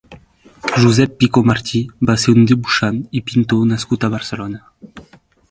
Josep Picó Martí va ser un dibuixant i pintor nascut a Barcelona.